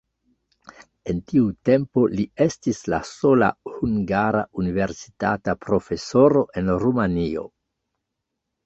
En tiu tempo li estis la sola hungara universitata profesoro en Rumanio.